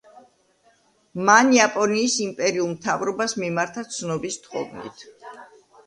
მან იაპონიის იმპერიულ მთავრობას მიმართა ცნობის თხოვნით.